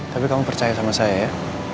tapi kamu percaya sama saya ya